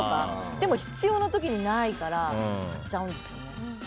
でも必要な時にないから買っちゃうんですよね。